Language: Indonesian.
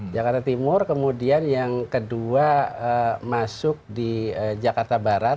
jakarta timur kemudian yang kedua masuk di jakarta barat